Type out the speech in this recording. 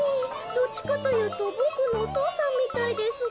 どっちかというとボクのお父さんみたいですが。